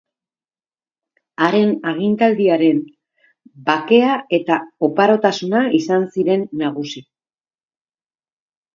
Haren agintaldiaren bakea eta oparotasuna izan ziren nagusi.